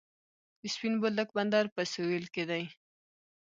د سپین بولدک بندر په سویل کې دی